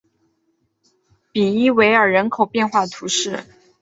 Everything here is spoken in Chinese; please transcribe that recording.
皮伊韦尔人口变化图示